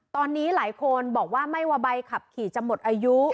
ตอนนี้หลายคนบอกว่าไม่ว่าใบขับขี่จะหมดอายุ